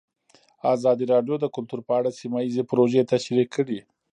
ازادي راډیو د کلتور په اړه سیمه ییزې پروژې تشریح کړې.